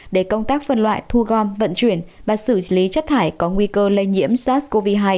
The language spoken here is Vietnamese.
để công tác phân loại thu gom vận chuyển và xử lý chất thải có nguy cơ lây nhiễm sars cov hai